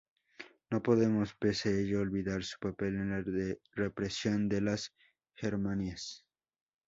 No podemos pese ello olvidar su papel en la represión de las Germanías.